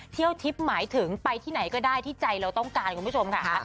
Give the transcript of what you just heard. เที่ยวทิพย์หมายถึงไปที่ไหนก็ได้ที่ใจเราต้องการคุณผู้ชมค่ะ